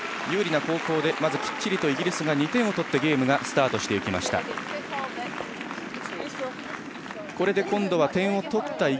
有利な後攻でまずきっちりとイギリスが２点を取ってゲームがスタートしていきました。